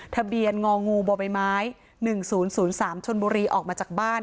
ทะเบียนงองูบใบไม้๑๐๐๓ชนบุรีออกมาจากบ้าน